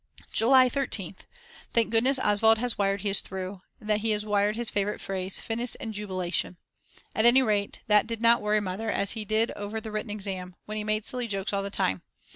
July 13th. Thank goodness Oswald has wired he is through, that is he has wired his favourite phrase: Finis with Jubilation. At any rate that did not worry Mother as he did over the written exam., when he made silly jokes all the time.